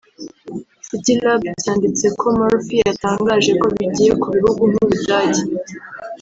Citylab cyanditse ko Murphy yatangaje ko bigiye ku bihugu nk’u Budage